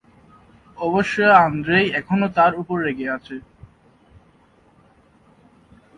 অবশ্য আন্দ্রেই এখনো তার উপর রেগে আছে।